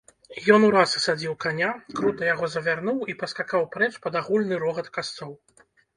Ён ураз асадзіў каня, крута яго завярнуў і паскакаў прэч пад агульны рогат касцоў.